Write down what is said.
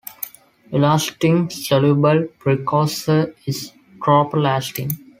Elastin's soluble precursor is tropoelastin.